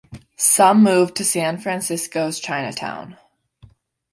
Some moved to San Francisco's Chinatown.